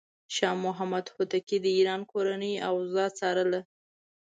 شاه محمود هوتکی د ایران کورنۍ اوضاع څارله.